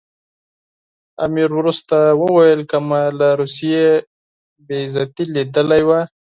امیر وروسته وویل که مې له روسیې بې عزتي لیدلې وای.